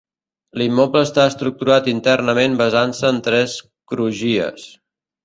L'immoble està estructurat internament basant-se en tres crugies.